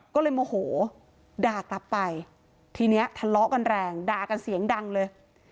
ก็เลยโมโหด่ากลับไปทีนี้ทะเลาะกันแรงด่ากันเสียงดังเลย